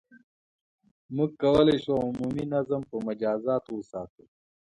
• موږ کولای شو، عمومي نظم په مجازاتو وساتو.